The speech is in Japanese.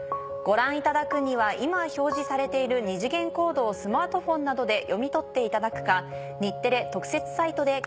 ご覧いただくには今表示されている二次元コードをスマートフォンなどで読み取っていただくか。